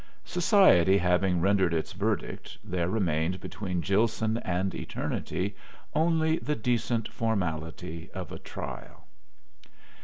Society having rendered its verdict, there remained between Gilson and eternity only the decent formality of a trial.